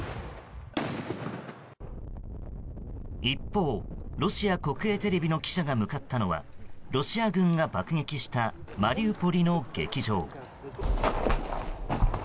一方、ロシア国営テレビの記者が向かったのはロシア軍が爆撃したマリウポリの劇場。